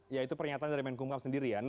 ya itu pernyataan dari menkumham sendiri ya